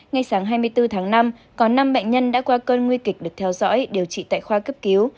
ngay sáng hai mươi bốn tháng năm có năm bệnh nhân đã qua cơn nguy kịch được theo dõi điều trị tại khoa cấp cứu